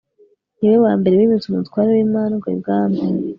ni we wa mbere wimitse umutware w'imandwa ibwami